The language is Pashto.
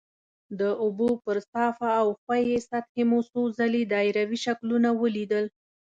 د اوبو پر صافه او ښویې سطحې مو څو ځلې دایروي شکلونه ولیدل.